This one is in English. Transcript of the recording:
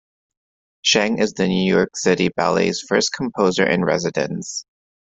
Sheng is the New York City Ballet's first composer-in-residence.